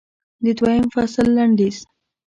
د دویم فصل لنډیز